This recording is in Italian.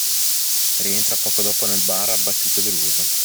Rientra poco dopo nel bar abbattuto e deluso.